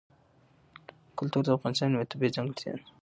کلتور د افغانستان یوه طبیعي ځانګړتیا ده.